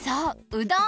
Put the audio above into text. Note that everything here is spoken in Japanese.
うどん！